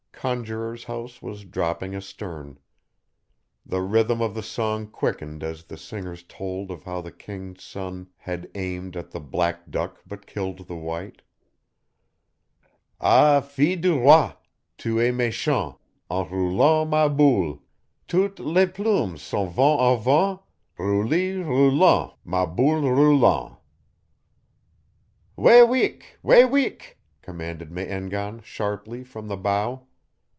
Conjuror's House was dropping astern. The rhythm of the song quickened as the singers told of how the king's son had aimed at the black duck but killed the white. _"Ah fils du roi, tu es mèchant, En roulant ma boule, Toutes les plumes s'en vont au vent, Rouli roulant, ma boule roulant."_ "Way wik! way wik!" commanded Me en gan, sharply, from the bow.